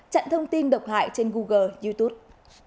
chặn thông tin độc hại trên google youtube